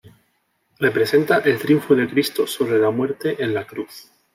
Representa el triunfo de Cristo sobre la muerte en la Cruz.